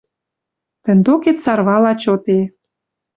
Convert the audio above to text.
Тӹнь докет сарвала чоте.